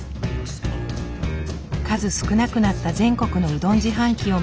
数少なくなった全国のうどん自販機を巡り